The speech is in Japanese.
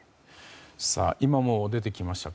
今も出てきました